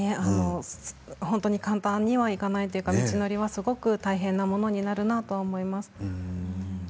本当に簡単にはいかないというか道のりはすごく大変なものになるなと思います。